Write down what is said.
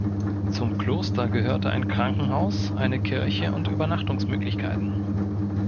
Zum Kloster gehörte ein Krankenhaus, eine Kirche und Übernachtungsmöglichkeiten.